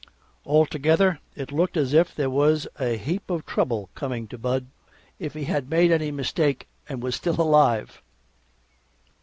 Altogether, it looked as if there was a heap of trouble coming to Bud if he had made any mistake and was still alive.